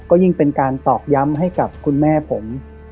ก็ยิ่งเป็นการตอกย้ำให้กับคุณแม่ผม